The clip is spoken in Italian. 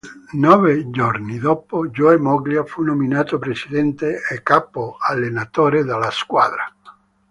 Nove giorni dopo, Joe Moglia fu nominato presidente e capo-allenatore della squadra.